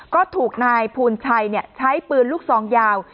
ก็ถูกนายฟูนชัยเนี่ยใช้ปืนลูกซองยาว